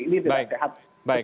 ini tidak sehat